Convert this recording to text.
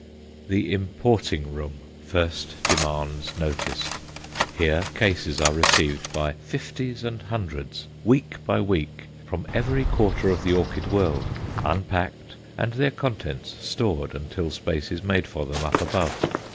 The "Importing Room" first demands notice. Here cases are received by fifties and hundreds, week by week, from every quarter of the orchid world, unpacked, and their contents stored until space is made for them up above.